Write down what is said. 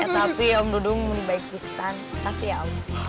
tapi om dudung baik pesan makasih ya om